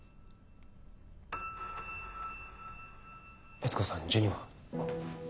悦子さんジュニは？